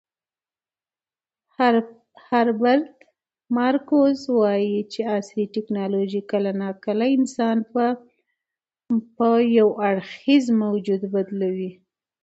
هربرت مارکوز وایي چې عصري ټیکنالوژي کله ناکله انسان په یو اړخیز موجود بدلوي.